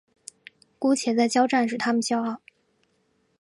姑且再交战使他们骄傲。